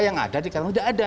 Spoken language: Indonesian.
yang ada dikatakan tidak ada